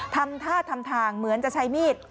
ทำท่าทำทางเหมือนจะใช้มีด